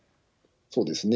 そうですね。